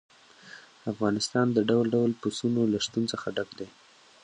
افغانستان د ډول ډول پسونو له شتون څخه ډک دی.